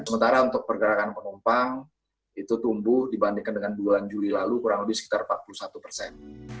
sementara untuk pergerakan penumpang itu tumbuh dibandingkan dengan bulan juli lalu kurang lebih sekitar empat puluh satu persen